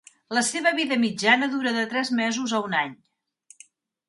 La seva vida mitjana dura de tres mesos a un any.